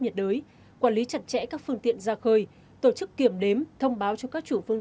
nhiệt đới quản lý chặt chẽ các phương tiện ra khơi tổ chức kiểm đếm thông báo cho các chủ phương